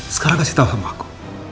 sekarang kasih tahu sama aku